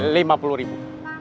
l lima puluh ribu